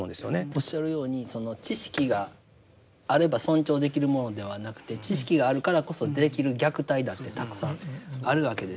おっしゃるようにその知識があれば尊重できるものではなくて知識があるからこそできる虐待だってたくさんあるわけですよね。